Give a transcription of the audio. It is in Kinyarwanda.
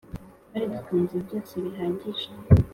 twari dutunze byose bihagaije